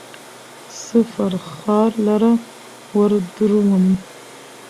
څه فرخار لره وردرومم